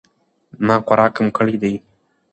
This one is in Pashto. ما خوراک کم کړی دی